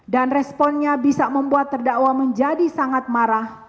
dan responnya bisa membuat terdakwa menjadi sangat marah